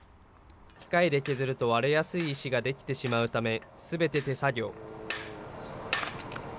機械で削ると割れやすい石が出来てしまうため、すべて手作業。